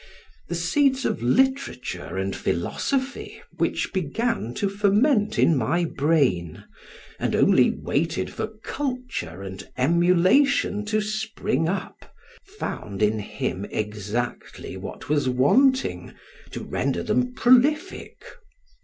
The seeds of literature and philosophy, which began to ferment in my brain, and only waited for culture and emulation to spring up, found in him exactly what was wanting to render them prolific.